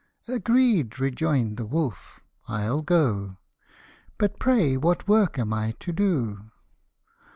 " Agreed," rejoined the wolf, " I'll go : But pray what work am I to do